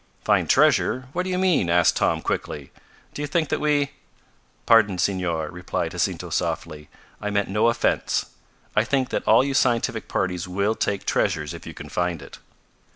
"Find treasure? What do you mean?" asked Tom quickly. "Do you think that we ?" "Pardon, Senor," replied Jacinto softly. "I meant no offense. I think that all you scientific parties will take treasure if you can find it."